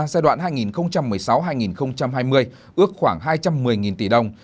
giai đoạn hai nghìn một mươi sáu hai nghìn hai mươi ước khoảng hai trăm một mươi tỷ đồng